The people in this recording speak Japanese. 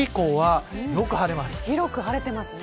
広く晴れていますね。